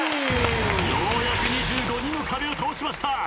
ようやく２５人の壁を倒しました。